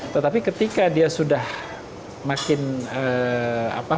tetapi ketika dia sudah makin apa